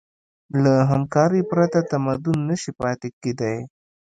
له همکارۍ پرته تمدن نهشي پاتې کېدی.